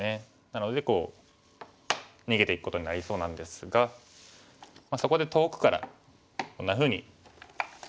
なのでこう逃げていくことになりそうなんですがそこで遠くからこんなふうに。